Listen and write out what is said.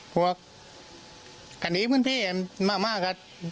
เพราะว่ากันนี้เพื่อนมากครับ